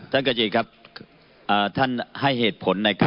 กระจิตครับท่านให้เหตุผลนะครับ